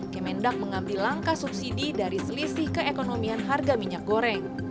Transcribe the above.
kemendak mengambil langkah subsidi dari selisih keekonomian harga minyak goreng